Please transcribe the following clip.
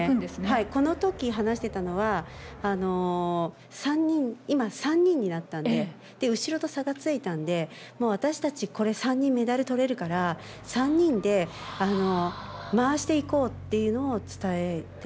このとき話してたのは、３人、今、３人になったんで、後ろと差がついたんで、もう、私たちこれ、３人メダルとれるから、３人で回していこうっていうのを伝えて。